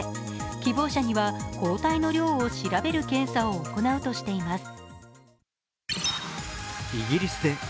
希望者には抗体の量を調べる検査を行うとしています。